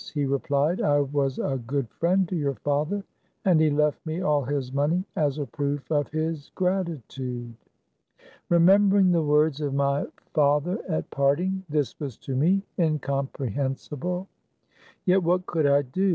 He replied, " I was a good friend to your father, and left me all his money as a proof of his gratitude." Remembering the words of my father at parting, this was to me, incompre A hensible ; yet what could ij I do